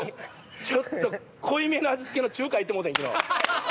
ちょっと濃いめの味付けの中華いってもうてん昨日。